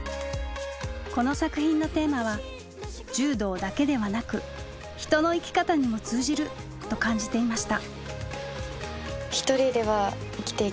この作品のテーマは柔道だけではなく人の生き方にも通じると感じていました。